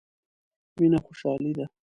مينه خوشالي ده.